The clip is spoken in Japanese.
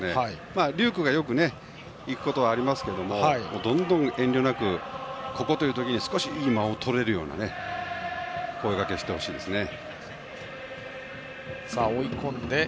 龍空がよく行くことはありますがどんどん遠慮なくここという時に少しいい間をとれるような声がけをしてほしいですね。